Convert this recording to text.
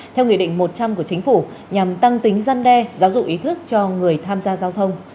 theo nghị định một trăm linh của chính phủ nhằm tăng tính dân đe giáo dục ý thức cho người tham gia giao thông